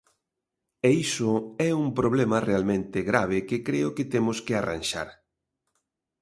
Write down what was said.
E iso é un problema realmente grave que creo que temos que arranxar.